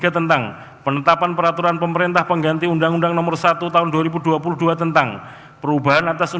tentang penetapan pasangan calon terpilih penetapan perolehan kursi